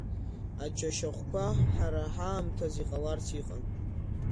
Аџьашьахәқәа ҳара ҳаамҭаз иҟаларц иҟан.